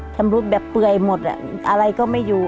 ชำรุดแบบเปื่อยหมดอะไรก็ไม่อยู่